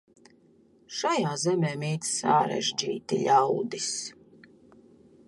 Šajā zemē mīt sarežģīti ļaudis.